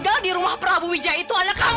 kamu sedang merehangkan bukti belear